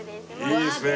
いいですね。